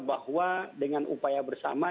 bahwa dengan upaya bersama